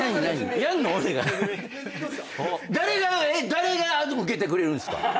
誰が受けてくれるんすか？